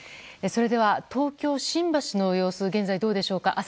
それでは、東京・新橋の様子現在、どうでしょうか。